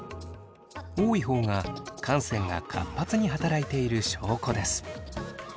多い方が汗腺が活発に働いている証拠です。